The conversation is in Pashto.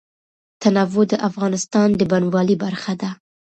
تنوع د افغانستان د بڼوالۍ برخه ده.